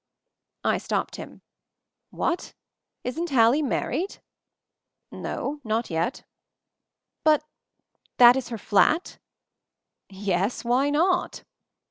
I stopped him. "What! Isn't Hallie married ?" "No— not yet." "But— that is her flat?" Yes; why not?"